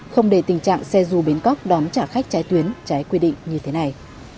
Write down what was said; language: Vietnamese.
không để tình trạng xe dù bến cóc đón trả khách trái tuyến trái quy định như thế này